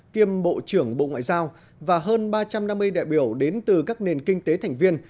kiêm bộ trưởng bộ ngoại giao và hơn ba trăm năm mươi đại biểu đến từ các nền kinh tế thành viên